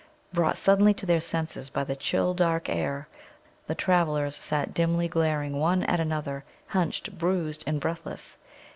Brought suddenly to their senses by the chill dark air, the travellers sat dimly glaring one at another, hunched, bruised, and breathless.